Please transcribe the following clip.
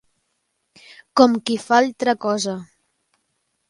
Com qui fa altra cosa.